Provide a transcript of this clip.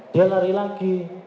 dia lari lagi